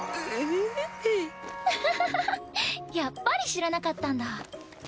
あはははっやっぱり知らなかったんだ。